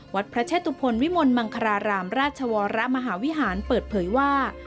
วัดพระเชตุพลวิมลมังคารารามราชวรมหาวิหารเปิดเผยว่า